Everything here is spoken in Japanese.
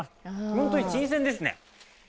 本当に新鮮ですね。